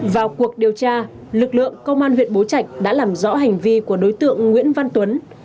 vào cuộc điều tra lực lượng công an huyện bố trạch đã làm rõ hành vi của đối tượng nguyễn văn tuấn